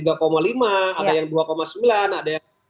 ada yang dua sembilan ada yang tiga lima